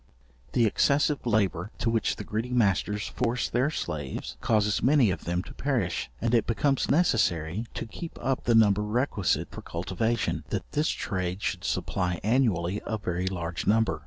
The excessive labour to which the greedy masters force their slaves, causes many of them to perish; and it becomes necessary, to keep up the number requisite for cultivation, that this trade should supply annually a very large number.